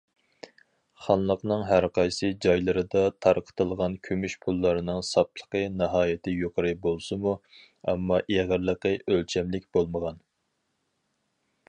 خانلىقنىڭ ھەرقايسى جايلىرىدا تارقىتىلغان كۈمۈش پۇللارنىڭ ساپلىقى ناھايىتى يۇقىرى بولسىمۇ، ئەمما ئېغىرلىقى ئۆلچەملىك بولمىغان.